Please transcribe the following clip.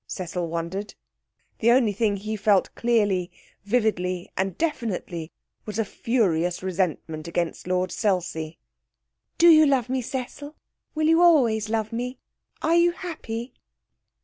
Cecil wondered. The only thing he felt clearly, vividly, and definitely was a furious resentment against Lord Selsey. 'Do you love me, Cecil? Will you always love me? Are you happy?'